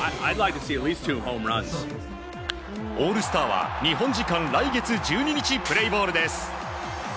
オールスターは日本時間来月１２日プレーボールです。